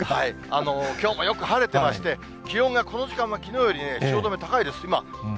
きょうもよく晴れてまして、気温がこの時間はきのうより汐留、高いです。